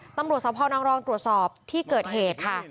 ตำรวจสพนังรองตรวจสอบที่เกิดเหตุค่ะ